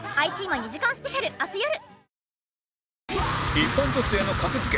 一般女性の格付け